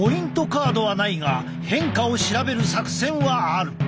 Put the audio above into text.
カードはないが変化を調べる作戦はある。